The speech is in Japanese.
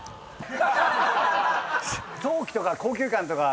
陶器とか高級感とか。